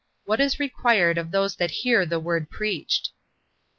What is required of those that hear the word preached?